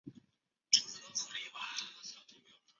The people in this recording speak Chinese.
民国时期再次改名为中山大街。